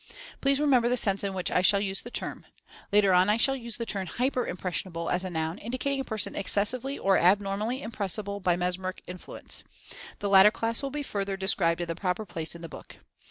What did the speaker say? Please remember the sense in which I shall use the term. Later on I shall use the term "hyper impressionable" as a noun, indicating a person excessively, or abnor mally impressible by mesmeric influence. The latter class will be further described in the proper place in the book.